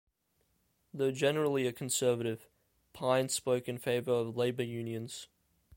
Though generally a conservative, Pyne spoke in favor of labor unions.